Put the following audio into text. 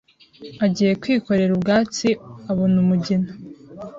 Agiye kwikorera ubwatsi abona umugina